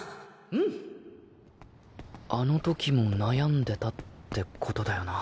うんあの時も悩んでたってことだよな